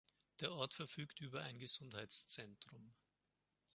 Der Ort verfügt über ein Gesundheitszentrum.